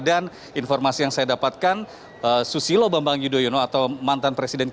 dan informasi yang saya dapatkan susilo bambang yudhoyono atau mantan presiden